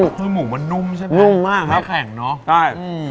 ก็คือหมูมันนุ่มใช่มั้ยไม่แข็งนะนุ่มมากครับใช่